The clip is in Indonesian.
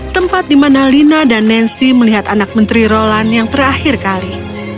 tempat di mana lina dan nancy melihat anak menteri roland yang terakhir kali